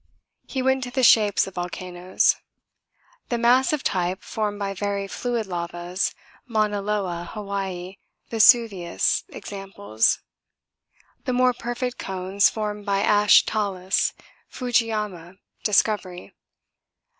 He went to the shapes of volcanoes: The massive type formed by very fluid lavas Mauna Loa (Hawaii), Vesuvius, examples. The more perfect cones formed by ash talus Fujiama, Discovery.